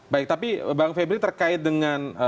baik tapi bang febri terkait dengan